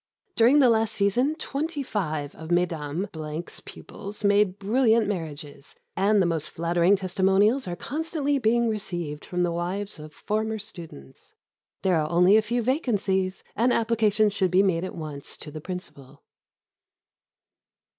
During the last season twenty five of Mesdames pupils made brilliant marriages, and the most flattering testimonials are constantly being received from the wives of former students. There are only a few vacancies, and application should be made at once to the Principal.